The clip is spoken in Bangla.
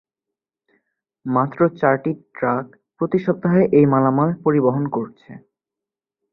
মাত্র চারটি ট্রাক প্রতি সপ্তাহে এই মালামাল পরিবহণ করছে।